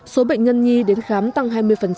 số bệnh nhân nhi đến khám tăng hai mươi